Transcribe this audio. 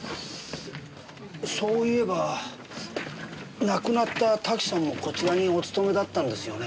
そういえば亡くなった瀧さんもこちらにお勤めだったんですよね。